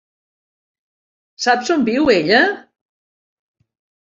Saps on viu ella?